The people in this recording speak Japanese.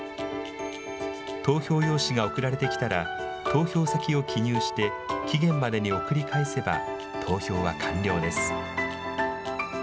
投票用紙が送られてきたら、投票先を記入して、期限までに送り返せば、投票が完了です。